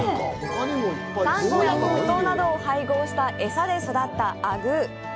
サンゴや黒糖などを配合した餌で育ったあぐー。